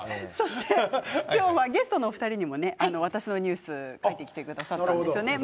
ゲストのお二人にも「わたしのニュース」書いてきてくださったんですよね。